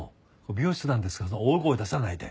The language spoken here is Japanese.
病室なんですから大声出さないで。